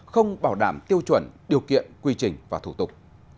không bảo đảm tiêu chuẩn điều kiện quy trình và thủ tục